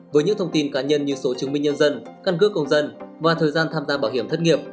với những thông tin cá nhân như số chứng minh nhân dân căn cước công dân và thời gian tham gia bảo hiểm thất nghiệp